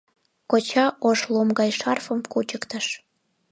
— Коча ош лум гай шарфым кучыктыш.